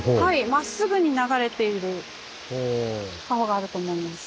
まっすぐに流れている川があると思います。